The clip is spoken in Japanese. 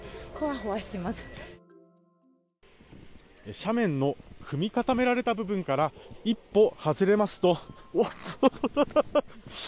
斜面の踏み固められた部分から一歩外れますと。